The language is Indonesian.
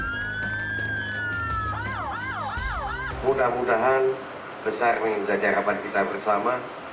mudah mudahan besar menjadi harapan kita bersama